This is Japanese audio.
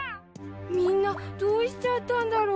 みんなどうしちゃったんだろう？